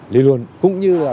lưu luận cũng như là